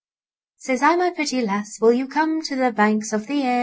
Says I, My pretty lass, will you come to the banks of the Aire oh?